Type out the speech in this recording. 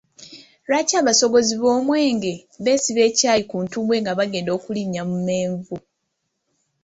Lwaki abasogozi b'omwenge beesiba ekyayi ku ntumbwe nga bagenda okulinnya mu menvu?